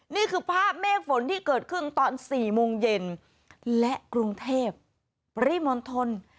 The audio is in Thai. นี่คือภาพเมฆฝนที่เกิดขึ้นตอน๔โมงเย็นและกรุงเทพปริมณฑล